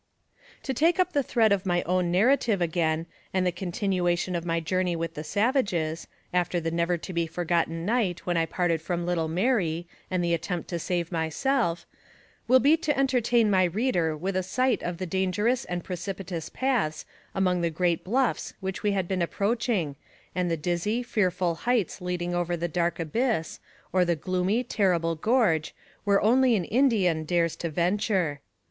To take up the thread of my own narrative again, and the continuation of my journey with the savages, after the never to be forgotten night when I parted with little Mary, and the attempt to escape myself, will be to entertain my reader with a sight of the danger ous and precipitous paths among the great bluffs which we had been approaching, and the dizzy, fearful heights leading over the dark abyss, or the gloomy, terrible gorge, where only an Indian dares to venture.